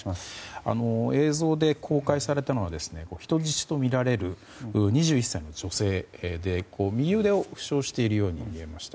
映像で公開されたのは人質とみられる２１歳の女性で右腕を負傷しているように見えました。